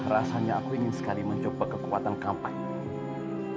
rasanya aku ingin sekali mencoba kekuatan kampanye